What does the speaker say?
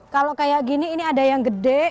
kalau kayak gini ini ada yang gede